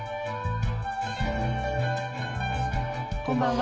こんばんは。